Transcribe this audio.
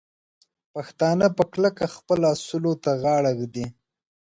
پښتانه په کلکه خپلو اصولو ته غاړه ږدي.